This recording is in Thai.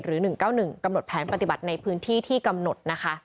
๑๙๑กำหนดแผนปฏิบัติในพื้นที่ที่กำหนดนะคะ